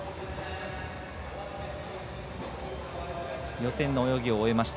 予選の泳ぎを終えました。